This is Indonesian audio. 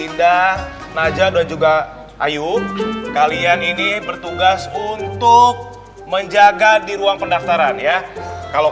indah naja dan juga ayu kalian ini bertugas untuk menjaga di ruang pendaftaran ya kalau